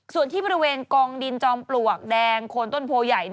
ส่วนที่บริเวณกองดินจอมปลวกแดงโคนต้นโพใหญ่